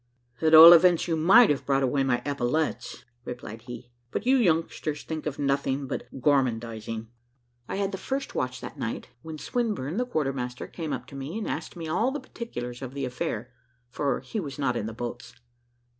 "At all events, you might have brought away my epaulets," replied he; "but you youngsters think of nothing but gormandising." I had the first watch that night, when Swinburne, the quarter master, came up to me, and asked me all the particulars of the affair, for he was not in the boats.